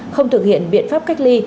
không thực hiện biện pháp cách ly